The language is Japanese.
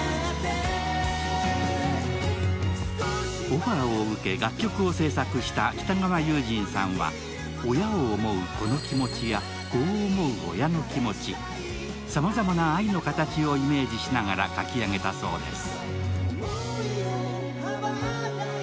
オファーを受け、楽曲を制作した北川悠仁さんは、親を思う子の気持ちや子を思う親の気持ち、さまざまな愛の形をイメージしながら書き上げたそうです。